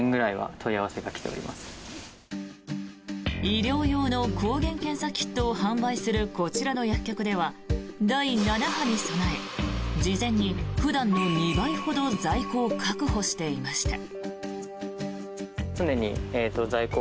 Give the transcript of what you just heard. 医療用の抗原検査キットを販売するこちらの薬局では第７波に備え事前に普段の２倍ほど在庫を確保していました。